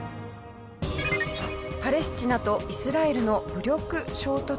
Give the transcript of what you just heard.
パレスチナとイスラエルの武力衝突